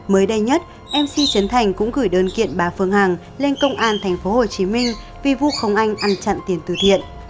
mới đây nhất mc trấn thành cũng gửi đơn kiện bà phương hằng lên công an tp hcm vì vũ khống anh ăn chặn tiền từ thiện